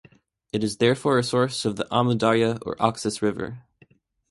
It is therefore a source of the Amu Darya or Oxus River.